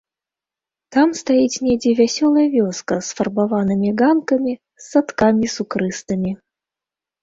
Там стаіць недзе вясёлая вёска з фарбаванымі ганкамі, з садкамі сукрыстымі.